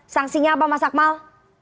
sanksinya apa mas akmal